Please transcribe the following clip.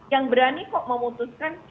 yang berani kok memutuskan